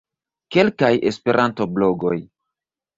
Kelkaj Esperanto-blogoj.